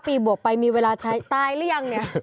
๔๙ปีบวกไปมีเวลาใช้ตายหรือยัง